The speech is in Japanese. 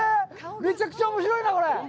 めちゃくちゃおもしろいな、これ！